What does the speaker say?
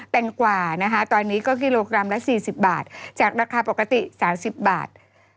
แงกว่านะคะตอนนี้ก็กิโลกรัมละ๔๐บาทจากราคาปกติ๓๐บาท